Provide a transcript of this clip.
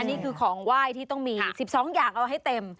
นี่คือของไหว้ที่ต้องมี๑๒อย่างเอาให้เต็ม